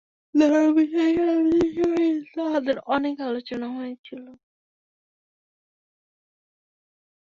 ধর্মবিষয়ে স্বামীজীর সহিত তাঁহাদের অনেক আলোচনা হইয়াছিল।